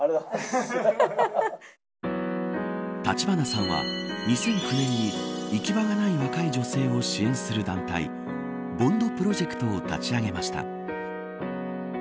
橘さんは２００９年に行き場がない若い女性を支援する団体ＢＯＮＤプロジェクトを立ち上げました。